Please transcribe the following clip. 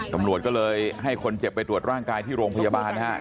กำหนดก็เลยให้คนเจ็บไปตรวจร่างกายที่โรงพยาบาล